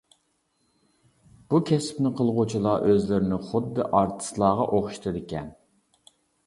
بۇ كەسىپنى قىلغۇچىلار، ئۆزلىرىنى خۇددى ئارتىسلارغا ئوخشىتىدىكەن.